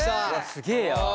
すげえや。